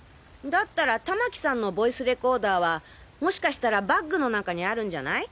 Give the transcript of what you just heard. だったらたまきさんのボイスレコーダーはもしかしたらバッグの中にあるんじゃない？